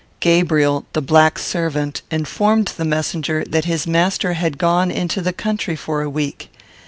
Gabriel, the black servant, informed the messenger that his master had gone into the country for a week.